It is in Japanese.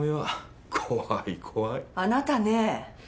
あなたねえ。